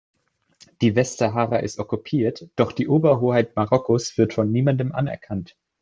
Die Westsahara ist okkupiert, doch die Oberhoheit Marokkos wird von niemandem anerkannt.